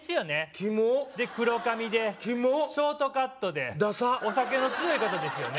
キモッで黒髪でキモッショートカットでダサッお酒の強い方ですよね